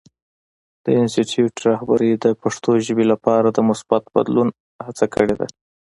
د انسټیټوت رهبرۍ د پښتو ژبې لپاره د مثبت بدلون هڅه کړې ده.